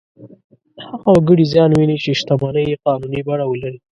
هغه وګړي زیان ویني چې شتمنۍ یې قانوني بڼه ولري.